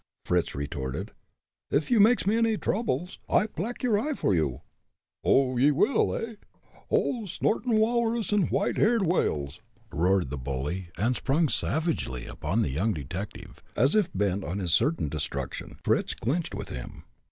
Fritz retorted. "Uff you makes me any droubles, I plack your eye for you!" "Oh! ye wull, hey? Oh! snortin' walrusses an' white haired whales!" roared the bully, and sprung savagely upon the young detective, as if bent on his certain destruction, Fritz clinched with him.